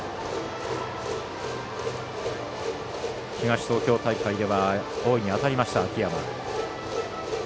東東京大会では大いに当たりました、秋山。